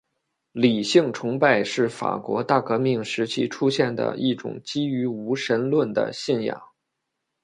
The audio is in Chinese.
理性崇拜是法国大革命时期出现的一种基于无神论的信仰。